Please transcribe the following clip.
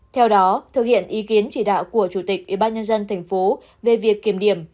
theo đó thực hiện ý kiến chỉ đạo của chủ tịch ủy ban dân thành phố về việc kiểm điểm